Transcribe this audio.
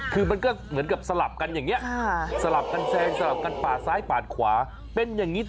คือเหมือนกับสลับกันอย่างแบบนี้